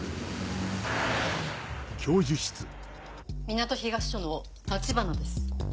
港東署の橘です。